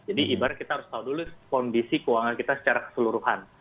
jadi ibaratnya kita harus tahu dulu kondisi keuangan kita secara keseluruhan